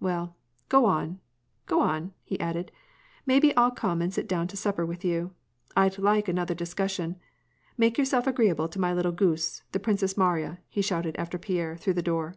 Well, go on, go on," he added. " Maybe I'll come and sit down to supper with ye. I'd like another discussion. Make yourself agreeable to my little goose, the Princess Mariya," he shouted after Pierre through the door.